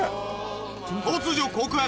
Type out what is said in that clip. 突如告白！